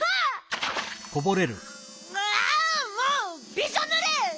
びしょぬれ！